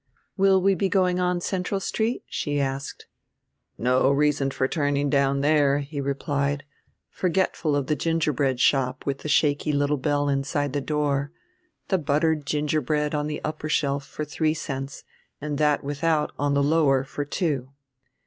"Will we be going on Central Street?" she asked. "No reason for turning down there," he replied, forgetful of the gingerbread shop with the shaky little bell inside the door, the buttered gingerbread on the upper shelf for three cents and that without on the lower for two.